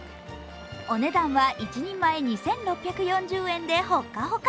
お値段は１人前２６４０円で、ほっかほか。